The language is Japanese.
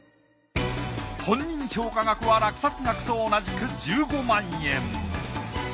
本人評価額は落札額と同じく１５万円。